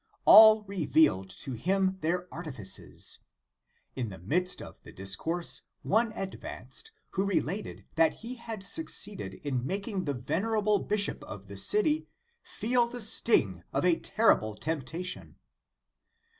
All revealed to him their artifices. In the midst of the discourse one advanced, who related that he had succeeded in making the venerable bishop of the city feel the sting of a terrible temptation.